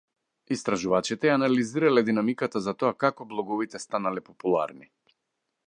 Истражувачите ја анализирале динамиката за тоа како блоговите станале популарни.